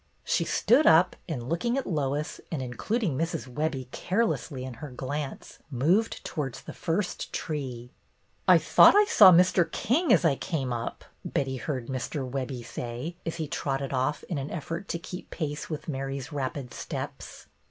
She stood up and, looking at Lois and in cluding Mrs. Webbie carelessly in her glance, moved towards the first tee. "I thought I saw Mr. King as I came up," BETTY AND THE WEBBIES 57 Betty heard Mr. Webbie say, as he trotted off in an effort to keep pace with Mary's rapid steps.